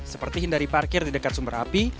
seperti hindari parkir di dekat sumber api